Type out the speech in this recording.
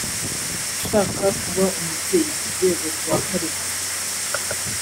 ushaka kuba umubyeyi ku rwego rwa karindwi